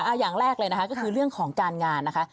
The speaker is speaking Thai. อย่างแรกเลยนะคะก็คือเรื่องของการงานนะคะ